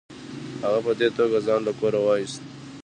هغه په دې توګه ځان له کوره وایست.